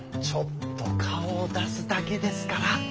ちょっと顔を出すだけですから。